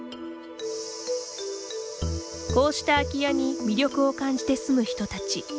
こうした空き家に魅力を感じて住む人たち。